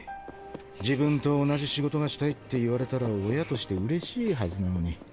自分と同じ仕事がしたいって言われたら親として嬉しいはずなのに。